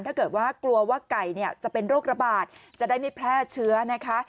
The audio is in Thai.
ถ้าเกิดว่ากลัวว่าไก่จะเป็นโรคระบาดจะได้ไม่แพร่เชื้อนะคะ